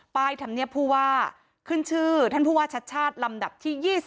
ธรรมเนียบผู้ว่าขึ้นชื่อท่านผู้ว่าชัดชาติลำดับที่๒๐